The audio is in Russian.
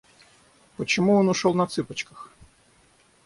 Почему он ушёл на цыпочках?